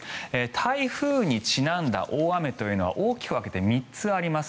台風にちなんだ大雨というのは大きく分けて３つあります。